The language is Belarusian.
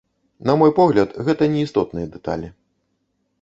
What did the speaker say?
На мой погляд, гэта неістотныя дэталі.